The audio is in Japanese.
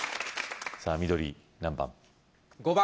さぁ緑何番？